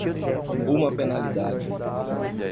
Uma penalidade.